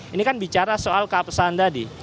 ini kan bicara soal keabsahan tadi